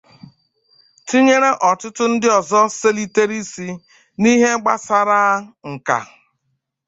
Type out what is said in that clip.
tinyéré ọtụtụ ndị ọzọ selitere isi n'ihe gbasaara nkà